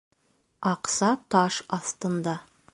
Аҡса таш аҫтында